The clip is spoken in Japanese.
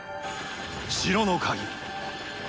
城の鍵。